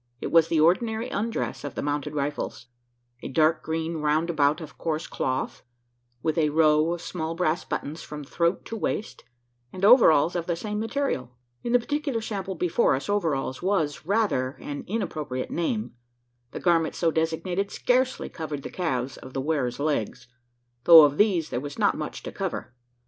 It was the ordinary undress of the mounted rifles: a dark green round about of coarse cloth with a row of small brass buttons from throat to waist and overalls of the same material. In the particular sample before us, overalls was rather an inappropriate name. The garment so designated scarcely covered the calves of the wearer's legs though of these there was not much to cover.